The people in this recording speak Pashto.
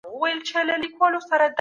موږ با استعداده يو.